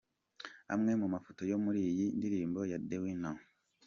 Amwe mu mafoto yo muri iyi ndirimbo ya The Winner.